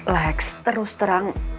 lex terus terang